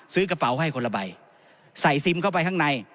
ซื้อกระเป๋าให้คนละใบใส่ซิมเข้าไปข้างใน